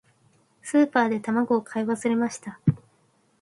スーパーで卵を買い忘れました。